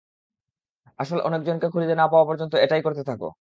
আসল জনকে খুঁজে না পাওয়া পর্যন্ত এটাই করতে থাকো।